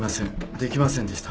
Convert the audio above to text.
できませんでした。